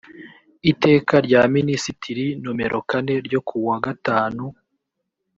iteka rya minisitri nomero kane ryo ku wa gatanu